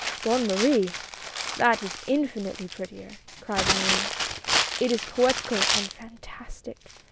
" Bonne Marie ! That is infinitely prettier," cried Morin; "it is poetical and fantastic.